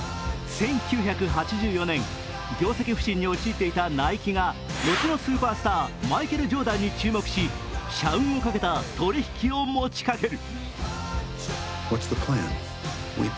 １９８４年、業績不振に陥っていたナイキが後のスーパースター、マイケル・ジョーダンに注目し、社運をかけた取り引きを持ちかける。